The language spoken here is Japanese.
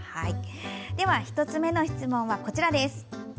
では１つ目の質問はこちらです。